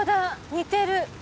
似てる。